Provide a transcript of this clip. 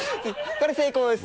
これ成功です。